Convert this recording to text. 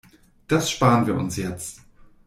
Das spar'n wir uns jetzt.